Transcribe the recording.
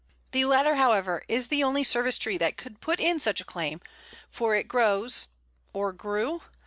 The latter, however, is the only Service tree that could put in such a claim, for it grows or grew?